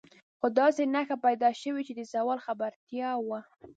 خو داسې نښې پیدا شوې چې د زوال خبرتیا وه.